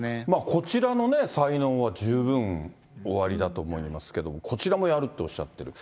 こちらの才能は十分おありだと思いますけど、こちらもやるっておっしゃってる。